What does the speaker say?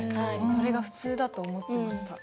それが普通だと思ってました。